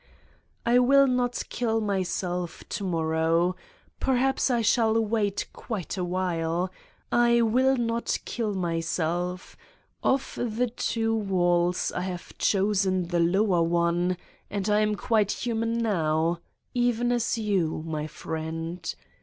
I will not kill myself to morrow. Perhaps I shall wait quite a while. I will not kill myself: of the two walls I have chosen the lower one and I am quite human now, even as you my friend.